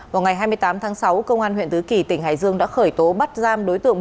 vào ngày hai mươi tám tháng sáu công an huyện tứ kỳ tỉnh hải dương đã khởi tố bắt giam đối tượng